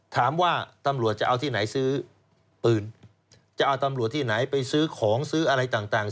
ถามว่าตำรวจจะเอาที่ไหนซื้อปืนจะเอาตำรวจที่ไหนไปซื้อของซื้ออะไรต่าง